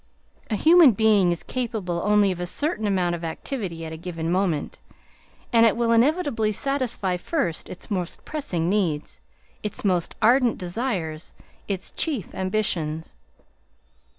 A human being is capable only of a certain amount of activity at a given moment, and it will inevitably satisfy first its most pressing needs, its most ardent desires, its chief ambitions.